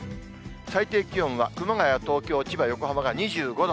最低気温は熊谷、東京、千葉、横浜が２５度。